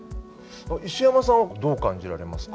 石山さんはどう感じられますか？